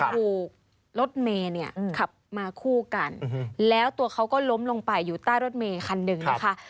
ถูกรถเมย์เนี่ยขับมาคู่กันแล้วตัวเขาก็ล้มลงไปอยู่ใต้รถเมย์คันหนึ่งนะคะ